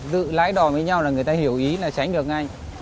tự lái đò với nhau là người ta hiểu ý là tránh được ngay